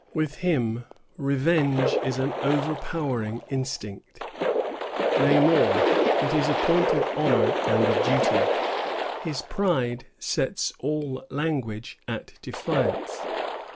With him revenge is an overpowering instinct; nay, more, it is a point of honor and a duty. His pride sets all language at defiance.